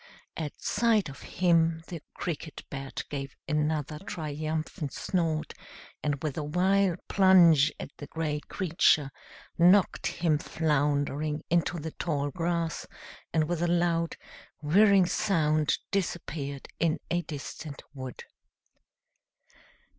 At sight of him the Cricket Bat gave another triumphant snort, and with a wild plunge at the great creature knocked him floundering into the tall grass, and with a loud, whirring sound disappeared in a distant wood.